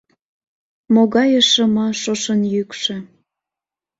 Могае шыма шошын йӱкшӧ!